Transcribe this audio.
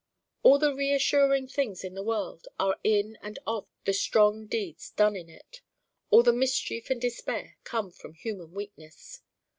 All the reassuring things in the world are in and of the strong deeds done in it. All the mischief and despair come from human Weakness.